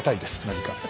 何か。